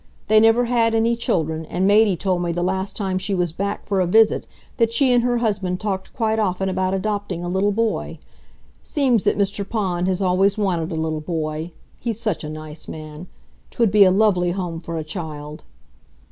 They never had any children, and Matey told me the last time she was back for a visit that she and her husband talked quite often about adopting a little boy. Seems that Mr. Pond has always wanted a little boy. He's such a nice man! 'Twould be a lovely home for a child."